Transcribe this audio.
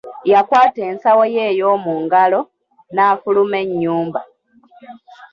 Yakwata ensawo ye ey'omu ngalo, n'affuluma ennyumba.